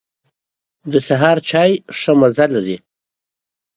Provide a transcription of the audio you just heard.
د سهار چای ښه مزه لري.